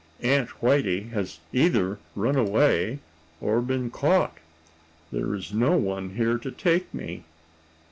Aunt Whitey has either run away, or been caught. There is no one here to take me!